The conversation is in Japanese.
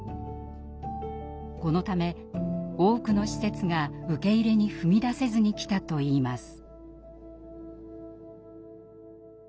このため多くの施設が受け入れに踏み出せずにきたといいます。